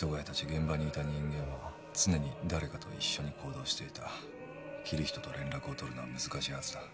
現場にいた人間は常に誰かと一緒に行動していたキリヒトと連絡を取るのは難しいはずだ